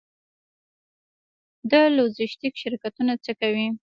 د لوژستیک شرکتونه څه کوي؟